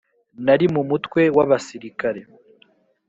Nari mu mutwe w abasirikare